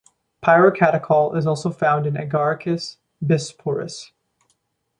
Pyrocatechol is also found in "Agaricus bisporus".